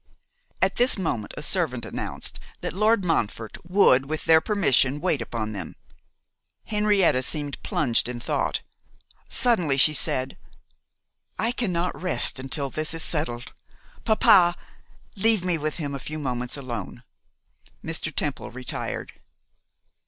At this moment a servant announced that Lord Montfort would, with their permission, wait upon them. Henrietta seemed plunged in thought. Suddenly she said, 'I cannot rest until this is settled. Papa, leave me with him a few moments alone.' Mr. Temple retired.